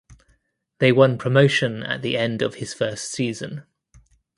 They won promotion at the end of his first season.